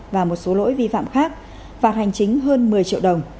và một số lỗi vi phạm khác phạt hành chính hơn một mươi triệu đồng